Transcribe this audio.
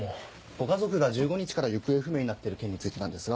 ご家族が１５日から行方不明になっている件についてなんですが。